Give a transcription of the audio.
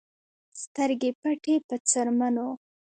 سترګې پټې په څرمنو